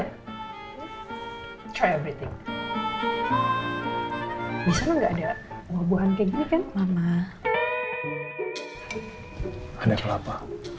nih sekarang lem dari kelapa